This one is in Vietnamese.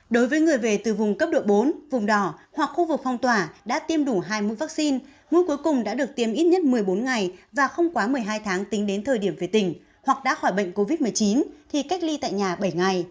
đối với người về từ vùng cấp độ bốn vùng đỏ hoặc khu vực phong tỏa đã tiêm đủ hai mũi vaccine mũi cuối cùng đã được tiêm ít nhất một mươi bốn ngày và không quá một mươi hai tháng tính đến thời điểm về tỉnh hoặc đã khỏi bệnh covid một mươi chín thì cách ly tại nhà bảy ngày